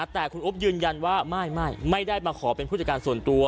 แต่คุณอุ๊บยืนยันว่าไม่ไม่ได้มาขอเป็นผู้จัดการส่วนตัว